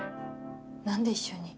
何で一緒に？